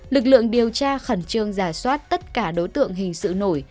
lực lượng điều tra khẩn trương giả soát tất cả đối tượng hình sự nổi